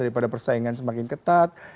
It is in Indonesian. daripada persaingan semakin ketat